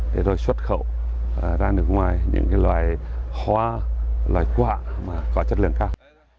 để rồi xuất khẩu ra nước ngoài những loài hoa loài quả mà có chất lượng cao